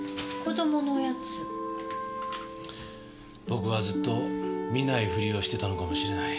僕はずっと見ないふりをしてたのかもしれない。